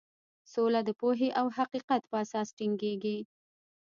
سوله د پوهې او حقیقت په اساس ټینګیږي.